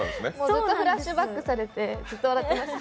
ずっとフラッシュバックされてずっと笑ってました。